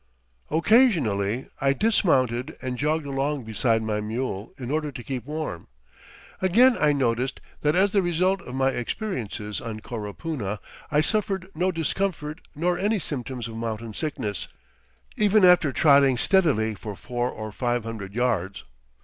Occasionally I dismounted and jogged along beside my mule in order to keep warm. Again I noticed that as the result of my experiences on Coropuna I suffered no discomfort, nor any symptoms of mountain sickness, even after trotting steadily for four or five hundred yards.